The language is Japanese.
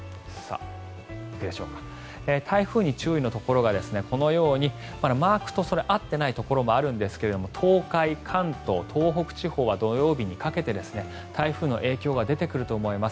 台風に注意のところがこのように、まだマークと合っていないところもあるんですが東海、関東、東北地方は土曜日にかけて台風の影響が出てくると思います。